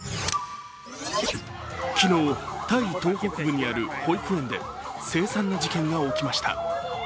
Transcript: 昨日タイ東北部にある保育園で凄惨な事件が起きました。